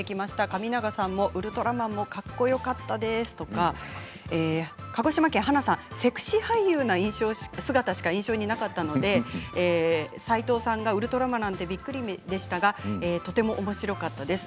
神永さんもウルトラマンもかっこよかったですとか鹿児島県の方セクシー俳優の姿しか印象になかったので斎藤さんがウルトラマンなんてびっくりでしたがとても、おもしろかったです。